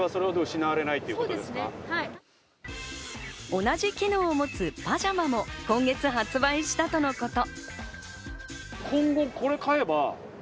同じ機能を持つパジャマも今月発売したとのこと。